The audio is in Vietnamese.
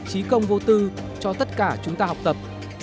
trí công vô tư cho tất cả chúng ta học tập